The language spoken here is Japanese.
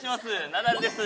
ナダルです。